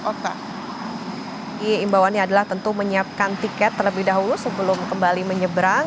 jadi imbauannya adalah tentu menyiapkan tiket terlebih dahulu sebelum kembali menyeberang